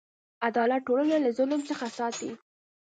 عدالت ټولنه له ظلم څخه ساتي.